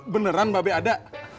beneran mbak be ada